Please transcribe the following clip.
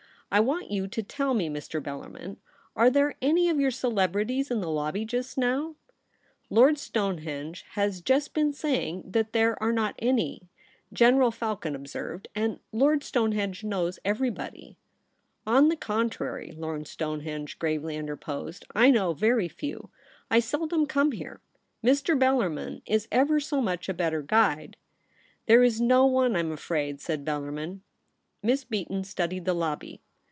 * I want you to tell me, Mr. Bellarmin ; are there any of your celebrities in the lobby just now ?'* Lord Stonehenge has just been saying that there are not any,' General Falcon MARY BEATON. yy observed ;' and Lord Stonehenge knows everybody.' * On the contrary,' Lord Stonehenge gravely Interposed, ' I know very few. I seldom come here. Mr. Bellarmin is ever so much a better guide.' ' There Is no one, I'm afraid,' said Bel larmin. Miss Beaton studied the lobby.